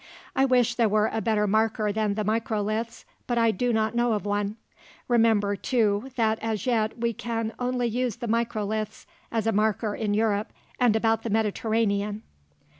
I wish there were a better marker than the microliths but I do not know of one. Remember, too, that as yet we can only use the microliths as a marker in Europe and about the Mediterranean.